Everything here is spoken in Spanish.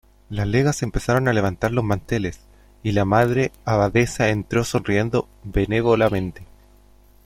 las legas comenzaron a levantar los manteles, y la Madre Abadesa entró sonriendo benévolamente: